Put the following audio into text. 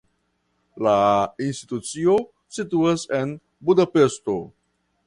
La institucio situas en Budapeŝto.